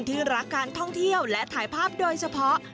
ที่รักการท่องเที่ยวและถ่ายภาพโดยเฉพาะ